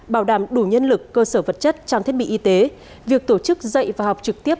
bảo đảm đủ nhân lực cơ sở vật chất trang thiết bị y tế việc tổ chức dạy và học trực tiếp